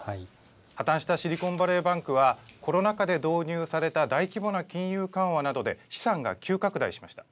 破綻したシリコンバレーバンクは、コロナ禍で導入された大規模な金融緩和などで、資産が急拡大しました。